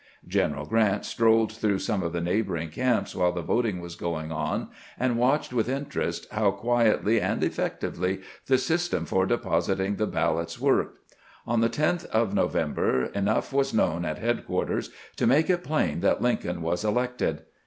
General Grant strolled through some of the neighboring camps while the vot ing was going on, and watched with interest how quietly and effectively the system for depositing the ballots worked. On the 10th of November enough was known at headquarters to make it plain that Lincoln was elected.